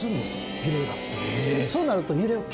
そうなると。